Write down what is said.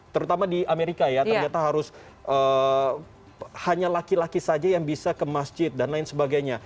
terutama di amerika ya ternyata harus hanya laki laki saja yang bisa ke masjid dan lain sebagainya